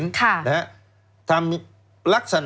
แล้วเขาก็ใช้วิธีการเหมือนกับในการ์ตูน